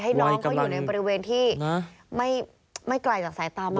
ให้น้องเขาอยู่ในบริเวณที่ไม่ไกลจากสายตามา